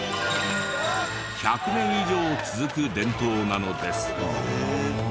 １００年以上続く伝統なのです。